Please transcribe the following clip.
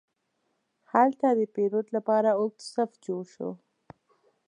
هلته د پیرود لپاره اوږد صف جوړ شو.